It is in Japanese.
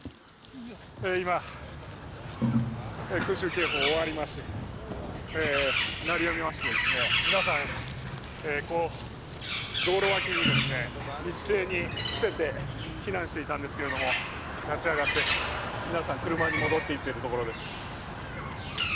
今、空襲警報、終わりまして、鳴りやみまして皆さん、道路脇に一斉に伏せて避難していたんですけれども立ち上がって皆さん、車に戻っていっているところです。